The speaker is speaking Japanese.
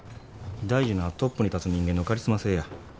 大事なんはトップに立つ人間のカリスマ性や。